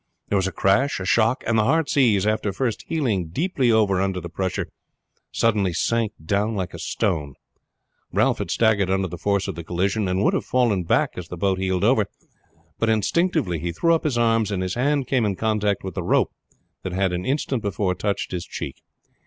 There was a crash, a shock, and the Heartsease, after first heeling deeply over under the pressure, suddenly sank down like a stone. Ralph had staggered under the force of the collision, and would have fallen back as the boat heeled over, but instinctively he threw up his arms and his hand came in contact with the rope that had an instant before touched his cheek.